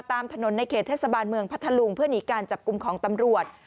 ตามถนนในเขตเทศบาลเมืองพัทธลุงเพื่อหนีการจับกลุ่มของตำรวจ